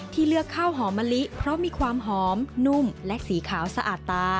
เลือกข้าวหอมมะลิเพราะมีความหอมนุ่มและสีขาวสะอาดตา